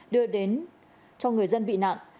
đưa đến cho người dân bị nạn